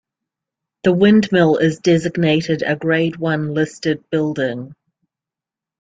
The windmill is designated a Grade One listed building.